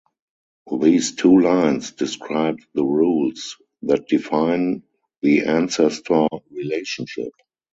These two lines describe the "rules" that define the ancestor relationship.